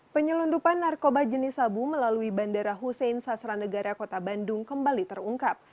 penyelundupan narkoba jenis sabu melalui bandara hussein sasra negara kota bandung kembali terungkap